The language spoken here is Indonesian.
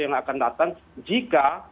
yang akan datang jika